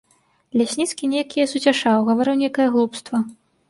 Лясніцкі неяк яе суцяшаў, гаварыў нейкае глупства.